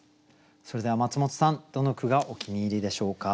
それではマツモトさんどの句がお気に入りでしょうか？